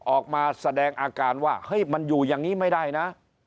ออกมาแสดงอาการว่าเฮ้ยมันอยู่อย่างนี้ไม่ได้นะ